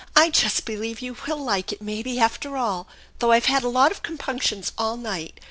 " I just believe you will like it, maybe, after all, though I've had a lot of compunctions all night.